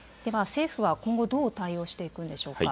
政府は今後、どう対応していくんでしょうか。